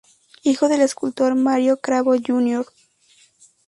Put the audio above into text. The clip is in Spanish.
Hijo del escultor Mário Cravo Júnior.